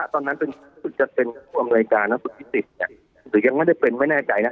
ตอนนั้นคุณพิศิษฐ์จะเป็นผู้อำนวยการคุณพิศิษฐ์เนี่ยหรือยังไม่ได้เป็นไม่แน่ใจนะ